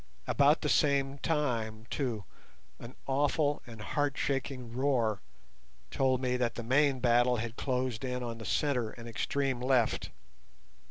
About the same time, too, an awful and heartshaking roar told me that the main battle had closed in on the centre and extreme left.